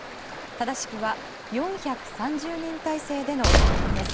正しくは４３０人体制でのスタートです。